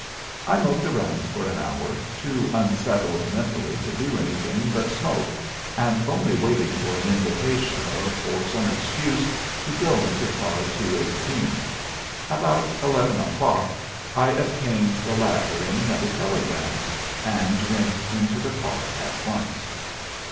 I moped around for an hour, too unsettled mentally to do anything but smoke, and only waiting for an invitation or for some excuse to go into 218. About eleven o'clock I obtained the latter in another telegram, and went into the car at once.